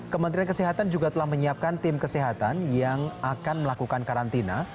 kementerian kesehatan juga telah menyiapkan tim kesehatan yang akan melakukan karantina